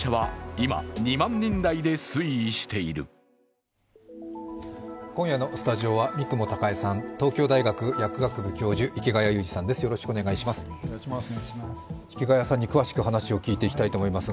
今夜のスタジオは三雲孝江さん、東京大学薬学部教授池谷裕二さんです。